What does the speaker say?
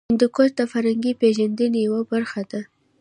هندوکش د فرهنګي پیژندنې یوه برخه ده.